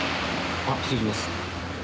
あっ失礼します。